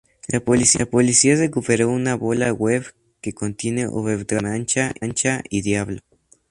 La policía recuperó una bola web que contiene Overdrive, Mancha y Diablo.